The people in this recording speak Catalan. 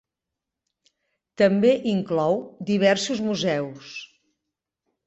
També inclou diversos museus.